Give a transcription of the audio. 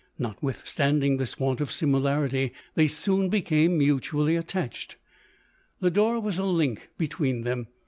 Not withstanding this want of similarity, they soon became mutually attached. Lodore was a link between them.